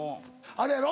あれやろ？